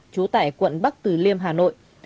trú tại quận bắc từ liêm hà nội